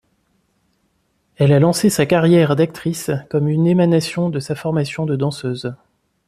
Elle a lancé sa carrière d'actrice comme une émanation de sa formation de danseuse.